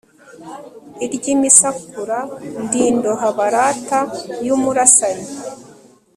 iry imisakura ndi Indoha barata yumurasanyi